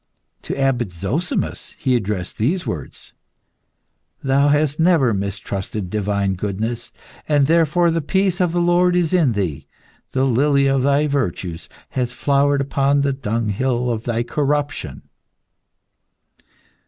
To Abbot Zozimus he addressed these words "Thou hast never mistrusted divine goodness, and therefore the peace of the Lord is in thee. The lily of thy virtues has flowered upon the dunghill of thy corruption."